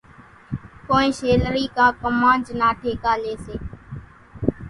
ڪونئين شيلرِي ڪان ڪمانج نا ٺيڪا ليئيَ سي۔